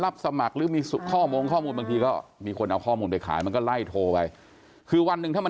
ก็ได้สองแสนแล้วใช่ไหม